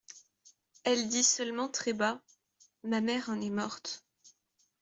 Elle dit seulement très bas : —«Ma mère en est morte.